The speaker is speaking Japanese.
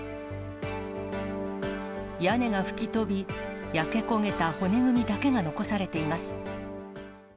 屋根が吹き飛び、焼け焦げた骨組みだけが残されています。